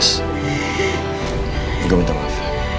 sudah sudah sudah